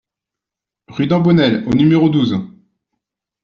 Rue d'Embonnel au numéro douze